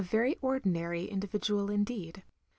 very ordinary individual indeed.